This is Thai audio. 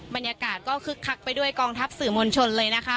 บรรยากาศก็คึกคักไปด้วยกองทัพสื่อมวลชนเลยนะคะ